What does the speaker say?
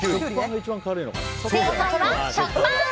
正解は、食パン！